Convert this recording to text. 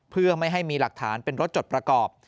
เพื่อไม่ให้มีหลักฐานเป็นรถจดประกอบ